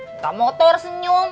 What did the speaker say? minta motor senyum